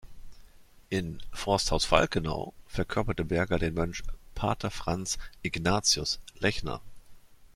In "Forsthaus Falkenau" verkörperte Berger den Mönch "Pater Franz „Ignatius“ Lechner".